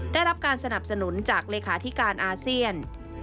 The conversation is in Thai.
ได้รับการสนับสนุนจากเลขาธิการอาเซียน